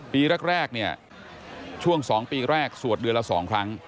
ปีแรกเนี่ยช่วง๒ปีแรกสวดเดือนละ๒ครั้ง